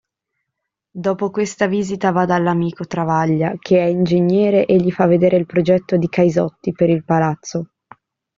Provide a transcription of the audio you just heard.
Dopo questa visita va dall'amico Travaglia che è ingegnere e gli fa vedere il progetto di Caisotti per il palazzo.